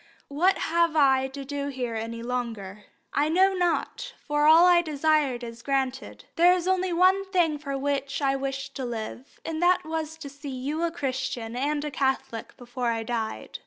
What have I to do here any longer? I know not, for all I desired is granted. There was only one thing for which I wished to live, and that was to see you a Christian and a Catholic before I died.